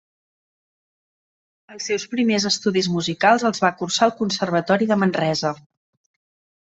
Els seus primers estudis musicals els va cursar al Conservatori de Manresa.